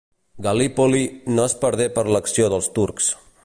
Gal·lípoli no es perdé per l'acció dels turcs.